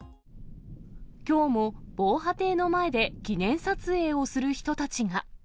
きょうも防波堤の前で記念撮影をする人たちが。